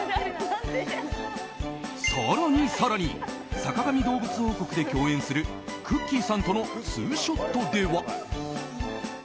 更に、更に「坂上どうぶつ王国」で共演するくっきー！さんとのツーショットでは。